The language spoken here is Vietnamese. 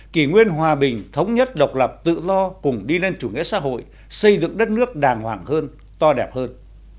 kỷ nguyên hòa bình thống nhất độc lập tự do cùng đi lên chủ nghĩa xã hội xây dựng đất nước đàng hoàng hơn to đẹp hơn